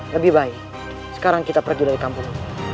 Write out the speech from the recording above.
lebih baik sekarang kita pergi dari kampung